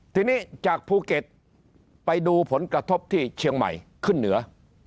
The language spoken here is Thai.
ทีนี้จากภูเก็ตไปดูผลกระทบที่เชียงใหม่ขึ้นเหนือ